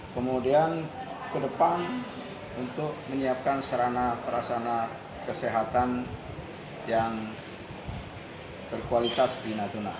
kemudian ke depan untuk menyiapkan sarana perasana kesehatan yang berkualitas di natuna